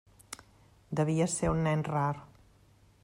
Devia ser un nen rar.